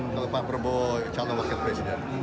kalau pak prabowo calon wakil presiden